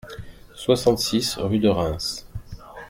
soixante-six rue de Reims